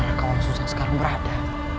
raka walang sungsang sekarang berada